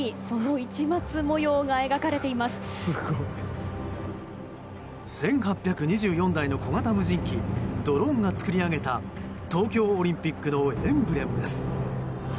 １８２４台の小型無人機ドローンが作り上げた東京オリンピックのエンブレムです。